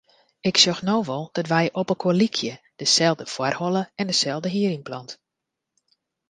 Ik sjoch no wol dat wy opelkoar lykje; deselde foarholle en deselde hierynplant.